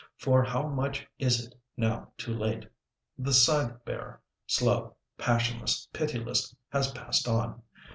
For how much is it now too late? The scythe bearer, slow, passionless, pitiless, has passed on.